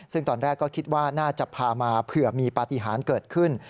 ซึ่งตอนแรกก็คิดว่าน่าจะพามาเผื่อมีปฏิหารเกิดขึ้น